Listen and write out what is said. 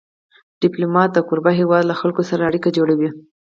ډيپلومات د کوربه هېواد له خلکو سره اړیکې جوړوي.